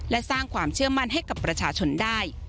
และสร้างความเชื่อมั่นให้กับประชาชนได้